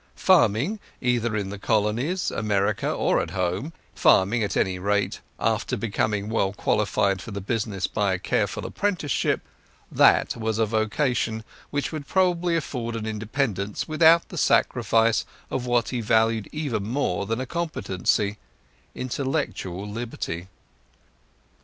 Farming, either in the Colonies, America, or at home—farming, at any rate, after becoming well qualified for the business by a careful apprenticeship—that was a vocation which would probably afford an independence without the sacrifice of what he valued even more than a competency—intellectual liberty.